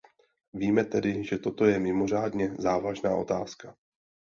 Víme tedy, že toto je mimořádně závažná otázka.